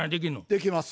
できます。